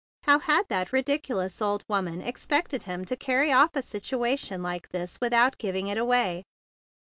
How had that ridiculous old woman ex¬ pected him to carry off a situation like this without giving it away?